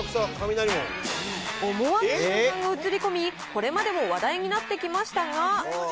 思わぬ瞬間が映り込み、これまでも話題になってきましたが。